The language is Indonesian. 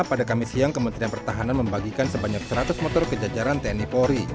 pada kamis siang kementerian pertahanan membagikan sebanyak seratus motor ke jajaran tni polri